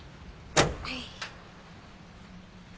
はい。